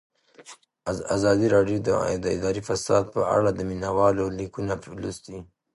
ازادي راډیو د اداري فساد په اړه د مینه والو لیکونه لوستي.